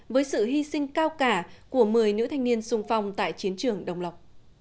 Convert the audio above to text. với sự hy sinh cao cả của một mươi nữ thanh niên sung phong tại chiến trường đồng lộc